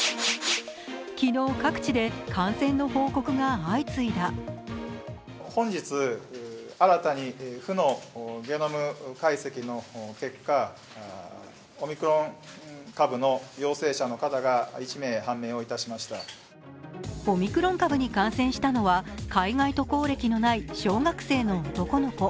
昨日、各地で感染の報告が相次いだオミクロン株に感染したのは海外渡航歴のない小学生の男の子。